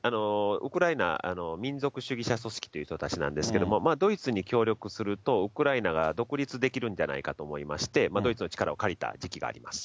ウクライナ民族主義者組織という人たちなんですけれども、ドイツに協力すると、ウクライナが独立できるんじゃないかと思いまして、ドイツの力を借りた時期があります。